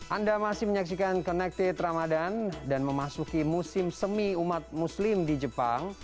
anda masih menyaksikan connected ramadan dan memasuki musim semi umat muslim di jepang